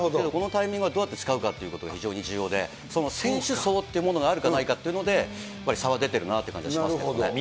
このタイミングは、どうやって使うかっていうことが非常に重要で、その選手層っていうものがあるかないかっていうものでやっぱり差は出てるなっていう感じはしますけど。